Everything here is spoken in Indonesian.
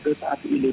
kereta api ini